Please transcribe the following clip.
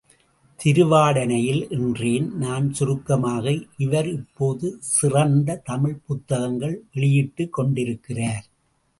திருவாடானையில் என்றேன் நான் சுருக்கமாக, இவர் இப்போது சிறந்த தமிழ்ப் புத்தகங்கள் வெளியிட்டுக் கொண்டிருக்கிறார்.